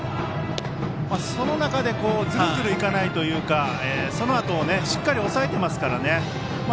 その中で、ずるずる行かないというかそのあとをしっかり抑えていますからね。